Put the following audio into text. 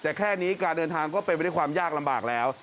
แต่แค่นี้การเดินทางก็เป็นไปด้วยความยากลำบากแล้ว